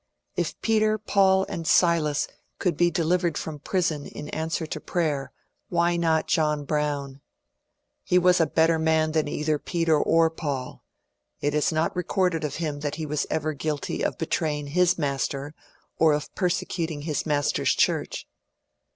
If Peter, Paul, and Silas could be delivered from prison in answer to prayer, why not John Brown ?^* He was a better man than either Peter or PauL It is not recorded of him that he was ever guilty of betraying his Master or of per secuting his Master's church."